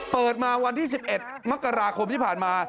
เปิดมาวันที่๑๑มกราคมที่ผ่านมา